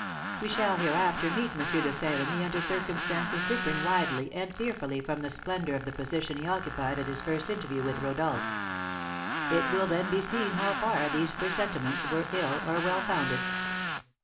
We shall hereafter meet M. de Saint Remy under circumstances differing widely and fearfully from the splendour of the position he occupied at his first interview with Rodolph. It will then be seen how far these presentiments were ill or well founded.